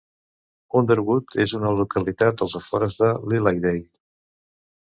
Underwood és una localitat als afores de Lilydale.